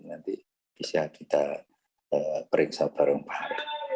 nanti bisa kita periksa bareng bareng